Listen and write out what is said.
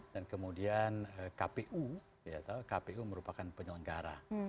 dan kemudian kpu kpu merupakan penyelenggara